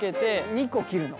２個切るの。